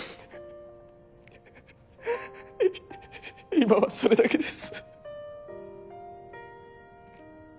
今はそれだけです。